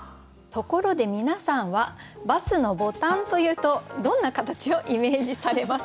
ところで皆さんはバスのボタンというとどんな形をイメージされますか？